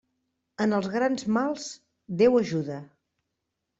En els grans mals, Déu ajuda.